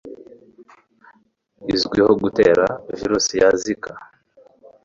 izwiho gutera virusi ya Zika .